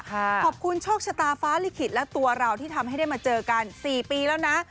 ขอบคุณโชคชะตาฟ้าลิขิตและตัวเราที่ทำให้ได้มาเจอกัน๔ปีแล้วนะ